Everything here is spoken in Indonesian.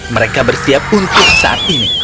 mereka bersiap untuk saat ini